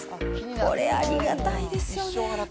これ、ありがたいですよね。